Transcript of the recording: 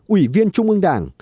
ủy viên trung ương đảng